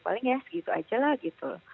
paling ya segitu aja lah gitu